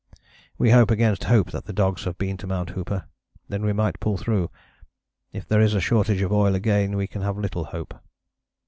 We hope against hope that the dogs have been to Mt. Hooper; then we might pull through. If there is a shortage of oil again we can have little hope.